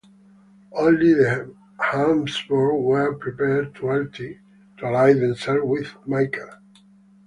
Only the Habsburgs were prepared to ally themselves with Michael.